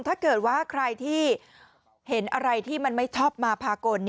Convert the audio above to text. ถ้าเกิดว่าใครที่เห็นอะไรที่มันไม่ชอบมาพากล